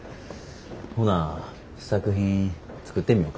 ほな試作品作ってみよか。